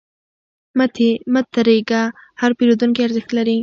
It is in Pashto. مه تریږه، هر پیرودونکی ارزښت لري.